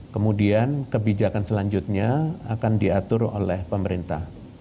kemudian kebijakan selanjutnya akan diatur oleh pemerintah